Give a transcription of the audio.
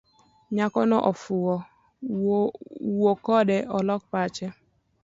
Nyakono ofuwo wuokode olok pache.